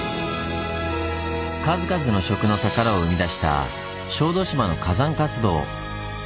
数々の「食の宝」を生み出した小豆島の火山活動。